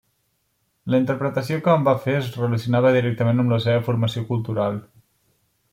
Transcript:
La interpretació que en va fer es relacionava directament amb la seva formació cultural.